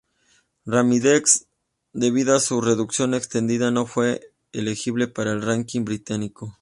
Remixed, debido a su duración extendida, no fue elegible para el ranking británico.